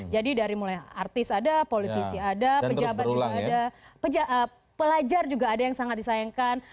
jadi dari mulai artis ada politisi ada pejabat juga ada pelajar juga ada yang sangat disayangkan